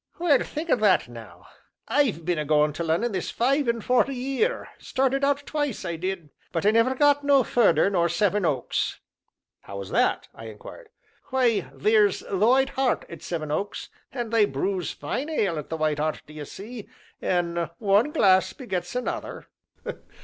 "Well, think o' that now I've been a goin' to Lunnon this five an' forty year started out twice, I did, but I never got no furder nor Sevenoaks!" "How was that?" I inquired. "Why, theer's 'The White Hart' at Sevenoaks, an' they brews fine ale at 'The White Hart,' d'ye see, an' one glass begets another."